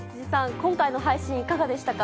今回の配信はいかがでしたか。